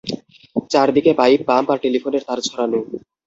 চারদিকে pipe, pump আর টেলিফোনের তার ছড়ানো।